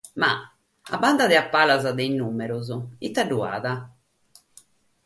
Ma, a banda de palas de sos nùmeros, ite b'at?